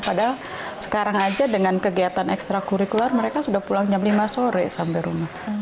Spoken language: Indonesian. padahal sekarang aja dengan kegiatan ekstra kurikular mereka sudah pulang jam lima sore sampai rumah